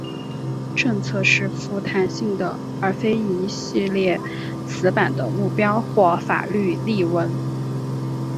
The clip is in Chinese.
政策是富弹性的而非一系列死板的目标或法律例文。